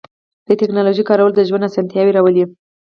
د تکنالوژۍ کارول د ژوند آسانتیاوې راولي.